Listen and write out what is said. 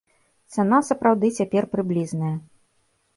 Цана сапраўды цяпер прыблізная.